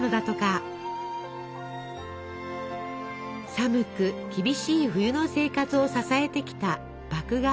寒く厳しい冬の生活を支えてきた麦芽あめ。